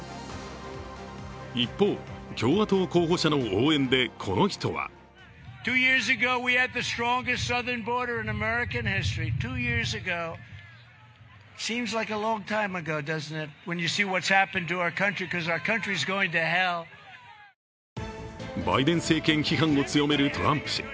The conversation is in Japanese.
一方、共和党候補者の応援で、この人はバイデン政権批判を強めるトランプ氏。